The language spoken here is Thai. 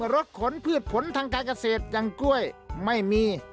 รถขนพืชผลทางการเกษตรอย่างกล้วยไม่มี